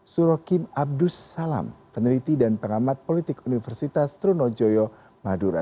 surokim abdussalam peneliti dan pengamat politik universitas tronojoyo madura